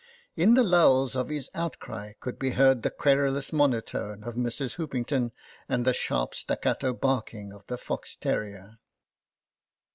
In the lulls of his outcry could be heard the querulous monotone of Mrs. Hoopington and the sharp staccato barking of the fox terrier.